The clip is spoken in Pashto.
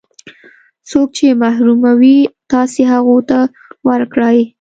څوک چې محروموي تاسې هغو ته ورکړئ.